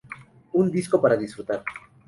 Un disco para disfrutar.